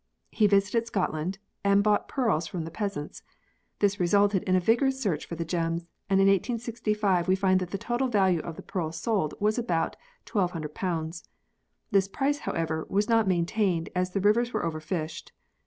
He visited Scotland and bought pearls from the peasants. This resulted in a vigorous search for the gems, and in 1865 we find that the total value of the pearls sold was about 1,200. This price, however, was not maintained, as the rivers were over fished.